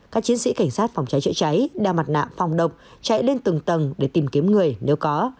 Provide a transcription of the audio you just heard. các chiến sĩ cảnh sát phòng cháy chữa cháy đeo mặt nạ phòng độc chạy lên từng tầng để tìm kiếm người nếu có